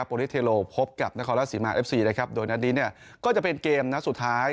โวริเตอร์พบกับนครรัฐศิริมาตรเอฟซีโดยนัดนี้ก็จะเป็นเกมสุดท้าย